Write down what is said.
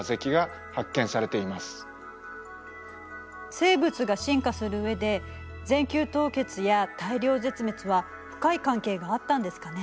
生物が進化する上で全球凍結や大量絶滅は深い関係があったんですかね。